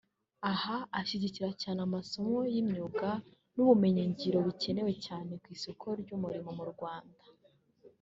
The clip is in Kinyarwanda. Aha ashyigikira cyane amasomo y’imyuga n’ubumenyingiro bikenewe cyane ku isoko ry’umurimo mu Rwanda